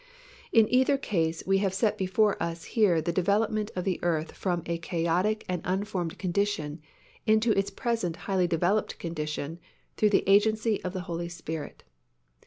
In either case we have set before us here the development of the earth from a chaotic and unformed condition into its present highly developed condition through the agency of the Holy Spirit.